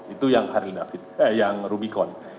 itu yang rubicon